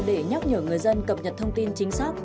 để nhắc nhở người dân cập nhật thông tin chính xác